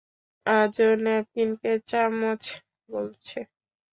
আজও ও ন্যাপকিনকে চামচ বলছে।